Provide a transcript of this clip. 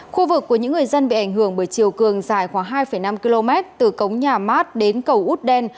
khu vực của những người dân bị ảnh hưởng bởi chiều cường dài khoảng hai năm km từ cống nhà mát đến cầu út đen